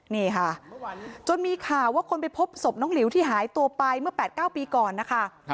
นี่ค่ะจนมีข่าวว่าคนไปพบศพน้องหลิวที่หายตัวไปเมื่อ๘๙ปีก่อนนะคะ